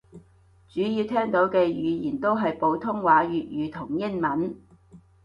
主要聽到嘅語言都係普通話粵語同英文